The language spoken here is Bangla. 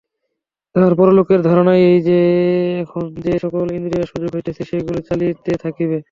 তাহার পরলোকের ধারণা এই যে, এখন যে-সকল ইন্দ্রিয়সুখভোগ হইতেছে, সেইগুলিই চলিতে থাকিবে।